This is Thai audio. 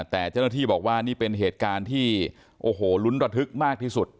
แต่เจ้าหน้าที่บอกว่านี่เป็นเหตุการณ์ที่โอ้โหลุ้นระทึกมากที่สุด